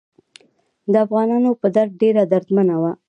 د افغانانو په درد ډیره دردمنه وه.